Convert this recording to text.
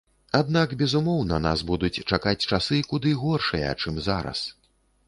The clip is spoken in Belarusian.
Аднак, безумоўна, нас будуць чакаць часы куды горшыя, чым зараз.